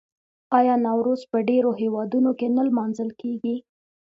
آیا نوروز په ډیرو هیوادونو کې نه لمانځل کیږي؟